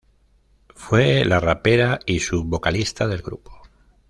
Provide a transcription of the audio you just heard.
Fue la rapera y sub vocalista del grupo.